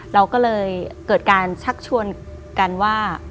เราก็เลยเกิดการชักชวนกันว่า